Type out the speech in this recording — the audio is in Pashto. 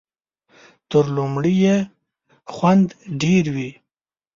تر لومړي یې خوند ډېر وي .